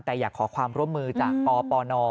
แต่อยากขอความร่วมมือจากปปน